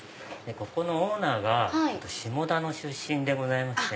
ここのオーナーが下田の出身でございまして。